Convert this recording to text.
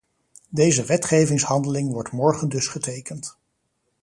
Deze wetgevingshandeling wordt morgen dus getekend.